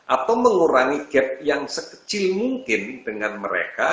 atau mengurangi gap yang sekecil mungkin dengan mereka